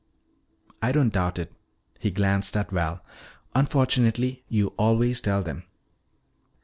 "I don't doubt it." He glanced at Val. "Unfortunately you always tell them.